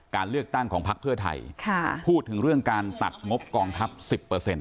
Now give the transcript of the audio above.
การเลือกตั้งของพักเพื่อไทยพูดถึงเรื่องการตัดงบกองทัพ๑๐